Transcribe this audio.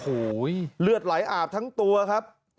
โอ้โหเลือดไหลอาบทั้งตัวครับ